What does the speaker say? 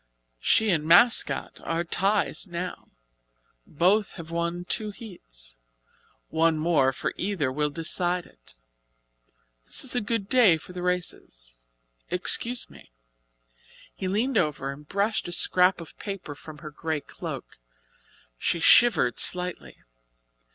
"She and 'Mascot' are ties now both have won two heats. One more for either will decide it. This is a good day for the races. Excuse me." He leaned over and brushed a scrap of paper from her grey cloak. She shivered slightly.